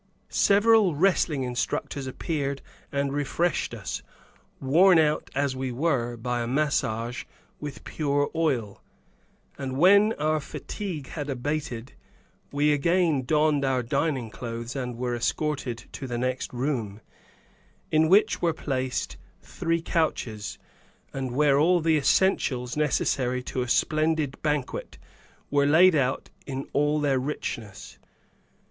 Several wrestling instructors appeared and refreshed us, worn out as we were, by a massage with pure oil, and when our fatigue had abated, we again donned our dining clothes and were escorted to the next room, in which were placed three couches, and where all the essentials necessary to a splendid banquet were laid out in all their richness.